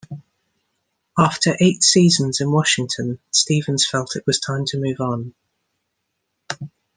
After eight seasons in Washington, Stevens felt it was time to move on.